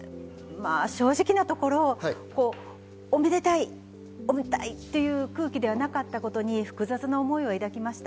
正直なところ、おめでたいという空気ではなかったことに複雑な思いを抱きました。